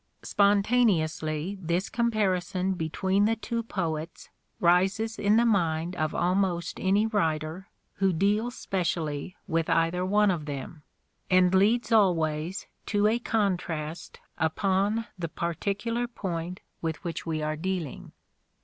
Spontaneously this comparison between the two poets rises in the mind of almost any writer who deals specially with either one of them, and leads always to a contrast upon the particular point with which we are dealing.